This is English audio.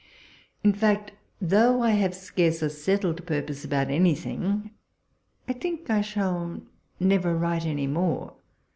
In fact, though I liave scarce a settled purpose about anything, I think I shall never write any more.